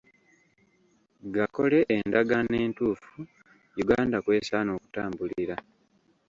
Gakole endagaano entuufu Uganda kw'esaana okutambulira.